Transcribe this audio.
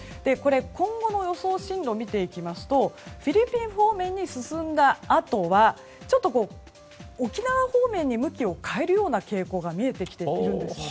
今後の予想進路を見ていきますとフィリピン方面に進んだあとはちょっと沖縄方面に向きを変えるような傾向が見えてきているんです。